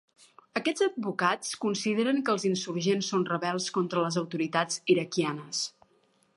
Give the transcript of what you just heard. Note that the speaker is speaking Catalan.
Aquests advocats consideren que els insurgents són rebels contra les autoritats iraquianes.